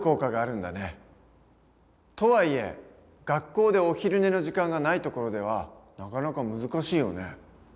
とはいえ学校でお昼寝の時間がないところではなかなか難しいよね。